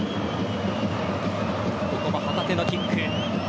ここも旗手のキック。